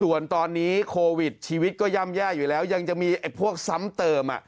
ส่วนตอนนี้โควิดชีวิตก็ย่ำแย่อยู่แล้วยังจะมีไอ้พวกซ้ำเติม